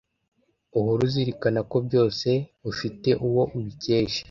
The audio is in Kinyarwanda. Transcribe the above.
uhore uzirikana ko byose ufite uwo ubikesha